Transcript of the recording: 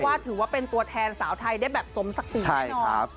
วัะถือว่าเป็นตัวแทนสาวไทยได้แต่สมสักศีล